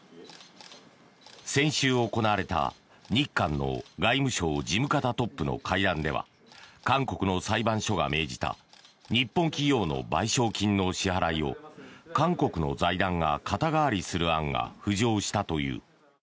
先週行われた日韓の外務省事務方トップの会談では韓国の裁判所が命じた日本企業の賠償金の支払いを韓国の財団が肩代わりする案が浮上したという。